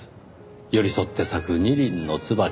寄り添って咲く２輪の椿の花。